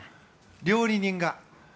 料理人が。